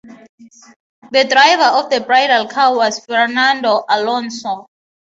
The driver of the bridal car was Fernando Alonso.